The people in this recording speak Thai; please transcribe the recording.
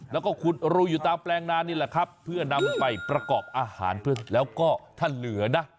แล้วก็ขุดรูอยู่ตามแปลงนานี่แหละครับเพื่อนำไปประกอบอาหารแล้วก็ถ้าเหลือนะ